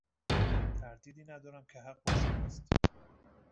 تردیدی ندارم که حق با شماست.